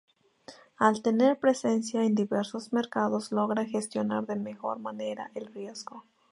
Al tener presencia en diversos mercados logra gestionar de mejor manera el riesgo.